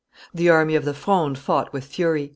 The army of the Fronde fought with fury.